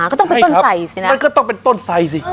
มันก็ต้องเป็นต้นไสสินะใช่ครับมันก็ต้องเป็นต้นไสสิอ้อ